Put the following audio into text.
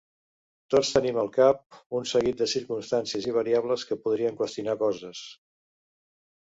Tots tenim al cap un seguit de circumstàncies i variables que podrien qüestionar coses.